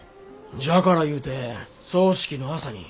じゃからいうて葬式の朝に。